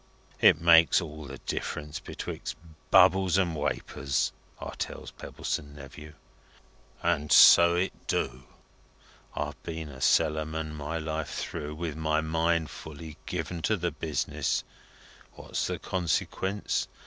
It makes all the difference betwixt bubbles and wapours,' I tells Pebbleson Nephew. And so it do. I've been a cellarman my life through, with my mind fully given to the business. What's the consequence?